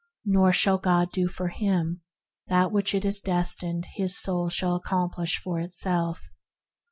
Nor shall God do for him what it is desired his soul shall accomplish for itself.